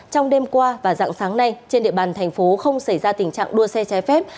trong đêm qua và dạng sáng nay trên địa bàn thành phố không xảy ra tình trạng đua xe trái phép